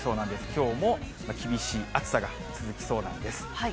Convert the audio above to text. きょうも厳しい暑さが続きそうなんです。